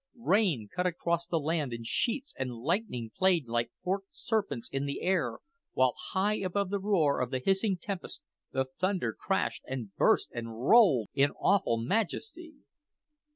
Rain cut across the land in sheets, and lightning played like forked serpents in the air, while high above the roar of the hissing tempest the thunder crashed and burst and rolled in awful majesty.